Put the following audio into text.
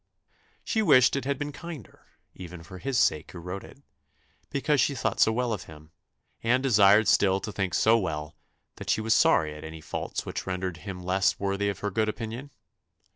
She wished it had been kinder, even for his sake who wrote it; because she thought so well of him, and desired still to think so well, that she was sorry at any faults which rendered him less worthy of her good opinion.